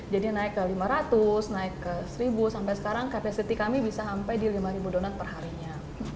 jadi naik ke lima ratus naik ke seribu sampai sekarang kapasiti kami bisa sampai di lima ribu donat per harinya